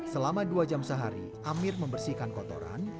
selama dua jam sehari amir membersihkan kotoran